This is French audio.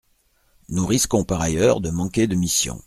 Nous risquons par ailleurs de manquer de missions.